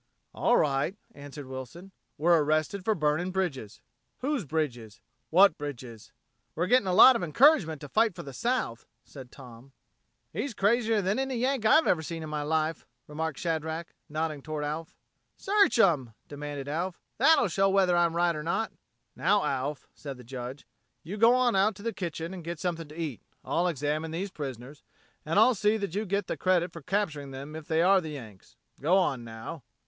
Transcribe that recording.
"All right," answered Wilson. "We're arrested for burning bridges. Whose bridges? What bridges?" "We're getting a whole lot of encouragement to fight for the South," said Tom. "He's crazier than any Yank I've ever seen in my life," remarked Shadrack, nodding toward Alf. "Search 'em," demanded Alf. "That'll show you whether I'm right or not." "Now, Alf," said the Judge, "you go on out to the kitchen and get something to eat. I'll examine these prisoners and I'll see that you get the credit for capturing them if they are the Yanks. Go on, now."